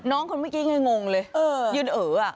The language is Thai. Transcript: น้องคุณเมื่อกี้ง่ายงงเลยเออยึดเหอะอ่ะ